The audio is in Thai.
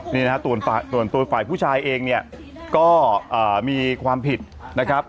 นี่นะฮะส่วนตัวฝ่ายผู้ชายเองเนี่ยก็มีความผิดนะครับ